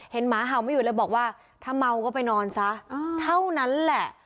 หมาเห่าไม่หยุดเลยบอกว่าถ้าเมาก็ไปนอนซะเท่านั้นแหละ